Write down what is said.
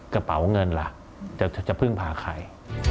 กระเป๋าเงินล่ะจะพึ่งพาใคร